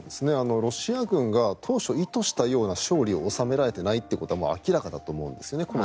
ロシア軍が当初、意図したような勝利を収められていないことは明らかだと思うんですよね。